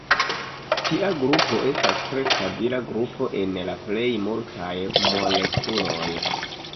Tia grupo estas tre stabila grupo en la plej multaj molekuloj.